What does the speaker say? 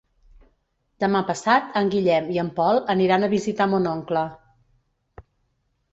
Demà passat en Guillem i en Pol aniran a visitar mon oncle.